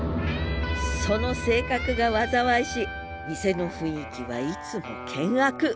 その性格が災いし店の雰囲気はいつも険悪。